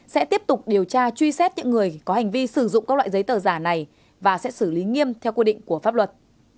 sẽ tiếp tục điều tra truy xét những người có hành vi sử dụng các loại giấy tờ giả này và sẽ xử lý nghiêm theo quy định của pháp luật